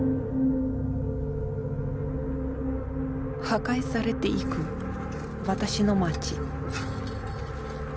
破壊されていく私の街。